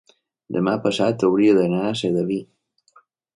Demà passat hauria d'anar a Sedaví.